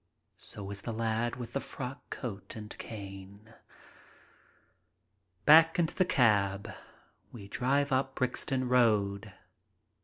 So is the lad with the frock coat and cane. Back into the cab, we drive up Brixton Road.